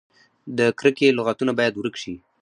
د کرکې لغتونه باید ورک شي.